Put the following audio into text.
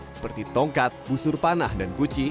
seperti tongkat busur panah dan kuci